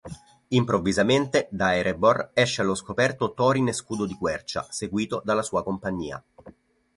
Improvvisamente, da Erebor, esce allo scoperto Thorin Scudodiquercia, seguito dalla sua compagnia.